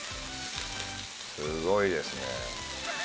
すごいですね。